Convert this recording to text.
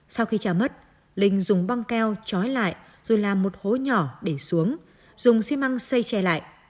sau khi trả mất linh dùng băng keo trói lại rồi làm một hố nhỏ để xuống dùng xi măng xây che lại